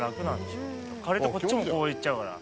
軽いとこっちもこういっちゃうから。